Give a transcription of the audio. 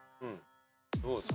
どうですか？